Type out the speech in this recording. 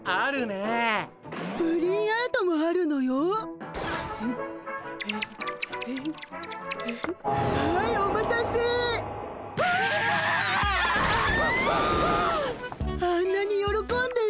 あんなによろこんでる。